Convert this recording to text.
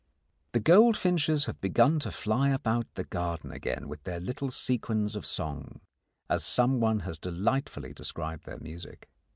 The goldfinches have begun to fly about the garden again with their little sequins of song, as someone has delightfully described their music.